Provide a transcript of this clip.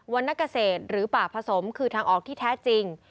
รณเกษตรหรือป่าผสมคือทางออกที่แท้จริง